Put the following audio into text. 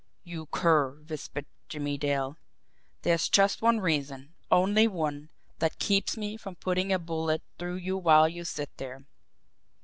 "You cur!" whispered Jimmie Dale. "There's just one reason, only one, that keeps me from putting a bullet through you while you sit there.